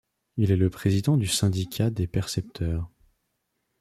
Il est le président du syndicat des percepteurs.